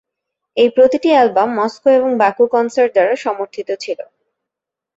এই প্রতিটি album Moscow এবং বাকু কনসার্ট দ্বারা সমর্থিত ছিল।